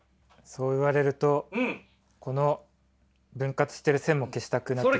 そう言われるとこの分割してる線も消したくなってきました。